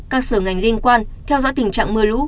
các sở ngành liên quan theo dõi tình trạng mưa lũ